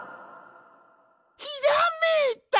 ひらめいた！